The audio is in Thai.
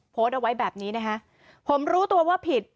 โพสต์เอาไว้แบบนี้นะคะผมรู้ตัวว่าผิด